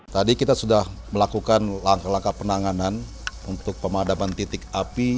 tadi kita sudah melakukan langkah langkah penanganan untuk pemadaman titik api